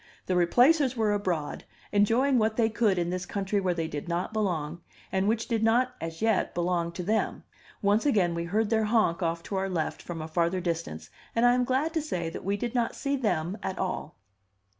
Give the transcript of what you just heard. The Replacers were abroad, enjoying what they could in this country where they did not belong, and which did not as yet belong to them. Once again we heard their honk off to our left, from a farther distance, and I am glad to say that we did not see them at all.